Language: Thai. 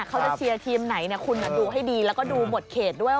เขาจะเชียร์ทีมไหนคุณดูให้ดีแล้วก็ดูหมดเขตด้วย